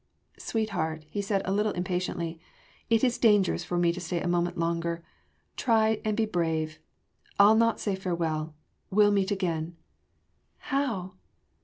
"Sweetheart," he said a little impatiently, "it is dangerous for me to stay a moment longer. Try and be brave I’ll not say farewell We’ll meet again...." "How?"